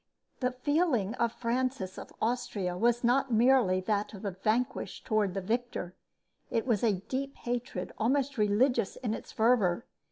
The feeling of Francis of Austria was not merely that of the vanquished toward the victor. It was a deep hatred almost religious in its fervor.